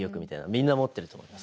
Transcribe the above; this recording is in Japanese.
みんな持ってると思います